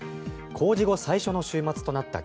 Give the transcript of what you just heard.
公示後最初の週末となった